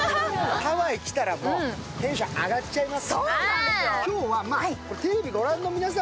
ハワイ来たらテンション上がっちゃいます。